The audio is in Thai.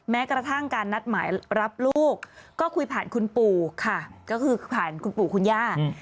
แม้กระทั่งการนัดหมายรับลูกก็คุยผ่านคุณปู่ค่ะก็คือผ่านคุณปู่คุณย่า